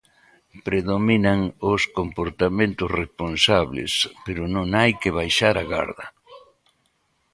Predominan os comportamentos responsables, pero non hai que baixar a garda.